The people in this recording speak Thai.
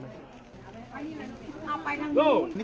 มีบ้านที่